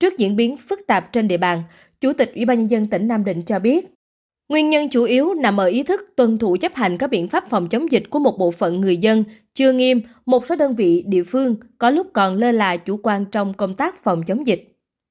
chủ tịch ubnd tỉnh nam định cho biết nguyên nhân chủ yếu nằm ở ý thức tuân thủ chấp hành các biện pháp phòng chống dịch của một bộ phận người dân chưa nghiêm một số đơn vị địa phương có lúc còn lơ là chủ quan trong công tác phòng chống dịch